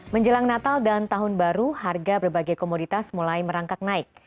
menjelang natal dan tahun baru harga berbagai komoditas mulai merangkak naik